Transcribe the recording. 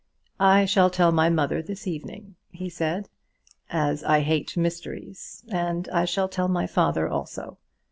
"I shall tell my mother this evening," he said, "as I hate mysteries; and I shall tell my father also.